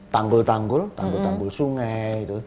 tanggul tanggul tanggul tanggul sungai